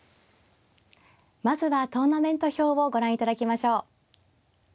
まずはトーナメント表をご覧いただきましょう。